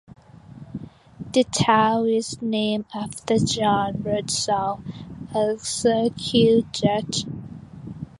The town is named after John Birdsall, a circuit judge.